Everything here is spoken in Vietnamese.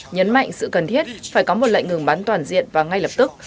nhấn mạnh sự cần thiết phải có một lệnh ngừng bắn toàn diện và ngay lập tức